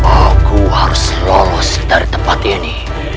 aku harus lolos dari tempat ini